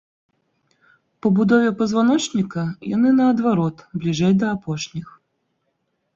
Па будове пазваночніка яны, наадварот, бліжэй да апошніх.